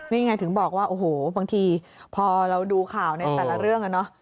นี่ไงถึงบอกว่าโอ้โหบางทีพอเราดูข่าวในแต่ละเรื่องอะเนาะ